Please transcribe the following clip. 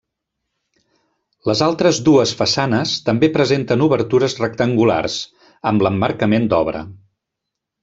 Les altres dues façanes també presenten obertures rectangulars, amb l'emmarcament d'obra.